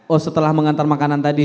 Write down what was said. oh setelah mengantar makanan tadi